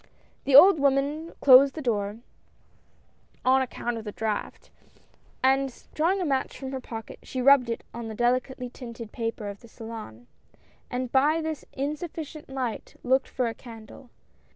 The old woman closed the door, "on ac count of the draught," and drawing a match from her pocket she rubbed it on the delicately tinted paper of A SURPRISE. 183 the salon, and by this insufficient light looked for a candle.